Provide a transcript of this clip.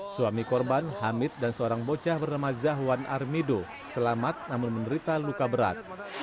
suami korban hamid dan seorang bocah bernama zahwan armido selamat namun menderita luka berat